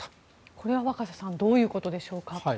これは若狭さんどういうことでしょうか。